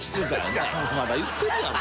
まだ言ってるやん。